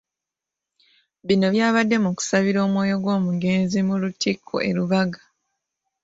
Bino byabadde mu kusabira omwoyo gw'omugenzi mu lutikko e Lubaga.